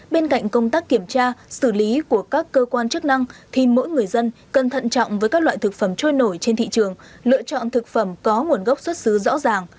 bên cạnh công tác kiểm tra xử lý của các cơ quan chức năng thì mỗi người dân cần thận trọng với các loại thực phẩm trôi nổi trên thị trường lựa chọn thực phẩm có nguồn gốc xuất xứ rõ ràng